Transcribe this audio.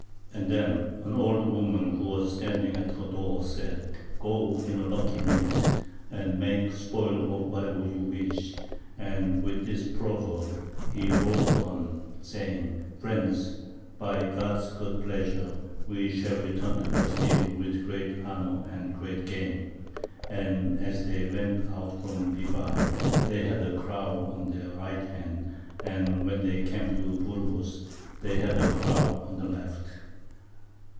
And then an old woman who was standing at her door said, Go in a lucky minute, and make spoil of whatever you wish, And with this proverb he rode on, saying, Friends, by God's good pleasure we shall return to Castile with great honour and great gain. And as they went out from Bivar they had a crow on their right hand, and when they came to Burgos they had a crow on the left.